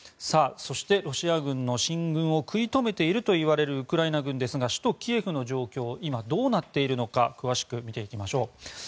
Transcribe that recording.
そしてロシア軍の進軍を食い止めているといわれるウクライナ軍ですが首都キエフの状況は今、どうなっているのか詳しく見ていきましょう。